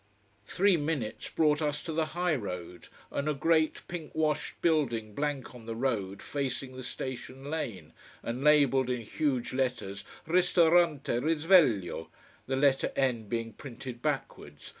Three minutes brought us to the high road, and a great, pink washed building blank on the road facing the station lane, and labelled in huge letters: RISTORANTE RISVEGLIO: the letter N being printed backwards.